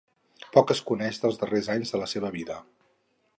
Poc es coneix dels darrers anys de la seva vida.